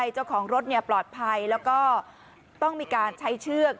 เจ้าของรถปลอดภัยแล้วก็ต้องมีการใช้เชือก